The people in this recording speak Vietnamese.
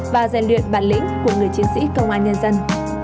và rèn luyện bản lĩnh của người chiến sĩ công an nhân dân